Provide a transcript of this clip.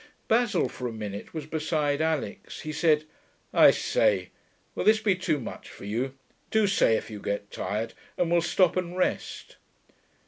3 Basil for a minute was beside Alix. He said, 'I say, will this be too much for you? Do say if you get tired, and we'll stop and rest.'